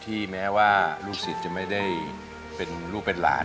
แม้ว่าลูกศิษย์จะไม่ได้เป็นลูกเป็นหลาน